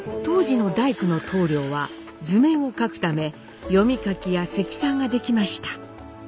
当時の大工の棟梁は図面を書くため読み書きや積算ができました。